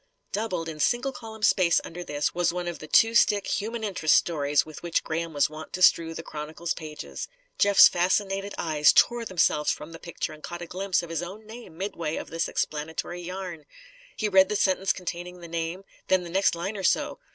_" Doubled, in single column space under this, was one of the two stick "human interest" stories with which Graham was wont to strew the Chronicle's pages. Jeff's fascinated eyes tore themselves from the picture and caught a glimpse of his own name midway of this explanatory yarn. He read the sentence containing the name, then the next line or so.